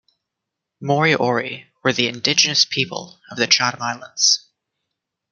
Moriori were the indigenous people of the Chatham Islands.